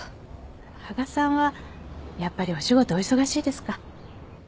羽賀さんはやっぱりお仕事お忙しいですか？